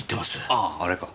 あああれか。